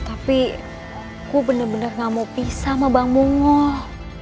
tapi gue bener bener gak mau pisah sama bang mungol